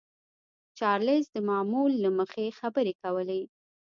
چارليس د معمول له مخې خبرې کولې.